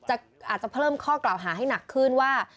อาจจะเพิ่มข้อกล่าวหาให้หนักขึ้นว่า